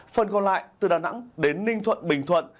phần còn lại từ đà nẵng đến ninh thuận bình thuận